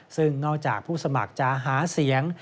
ซึ่งนอกจากผู้สมัครจะหาเสียง